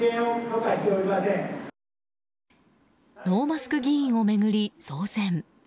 ノーマスク議員を巡り騒然。